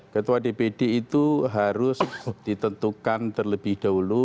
ketua dpd itu harus ditentukan terlebih dahulu